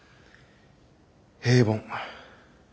平凡。